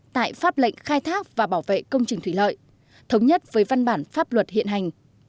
tại pháp lệnh khai thác và bảo vệ công trình thủy lợi thống nhất với văn bản pháp luật hiện hành